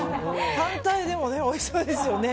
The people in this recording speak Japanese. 単体でもおいしそうですよね。